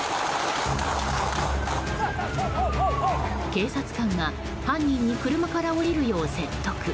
警察官が犯人に車から降りるよう説得。